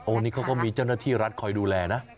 อันนี้เขาก็มีเจ้าหน้าที่รัฐคอยดูแลนะ